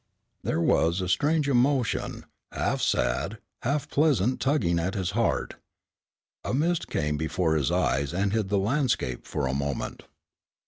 There was a strange emotion, half sad, half pleasant tugging at his heart. A mist came before his eyes and hid the landscape for a moment.